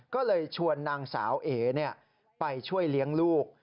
ก็เลยชวนนางสาวเอ๋ไปช่วยเลี้ยงลูก